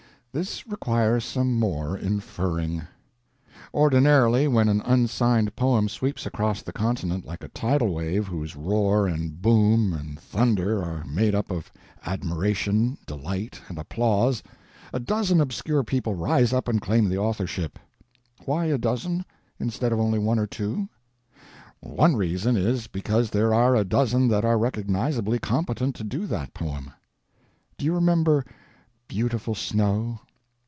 This requires some more inferring. Ordinarily when an unsigned poem sweeps across the continent like a tidal wave whose roar and boom and thunder are made up of admiration, delight, and applause, a dozen obscure people rise up and claim the authorship. Why a dozen, instead of only one or two? One reason is, because there are a dozen that are recognizably competent to do that poem. Do you remember "Beautiful Snow"?